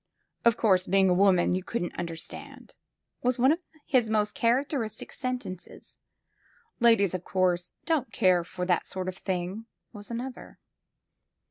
"Of course, being a woman, you couldn't under stand," was one of his most characteristic sentences. "Ladies, of course, don't care for that sort of thing," was another.